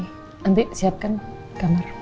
nanti siapkan kamar